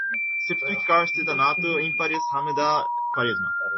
septuplicar, septenato, ímpares, Ramadã, quaresma